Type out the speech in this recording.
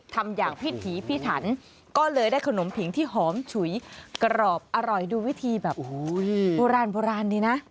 ทำอย่างพิถีพิถันก็เลยได้ขนมผิงที่หอมฉุยกรอบอร่อยดูวิธีแบบโอ้โหโบราณโบราณดีนะ